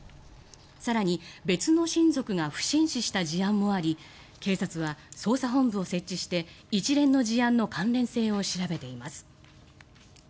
更に別の親族が不審死した事案もあり警察は捜査本部を設置して一連の事案の関連性を調べています。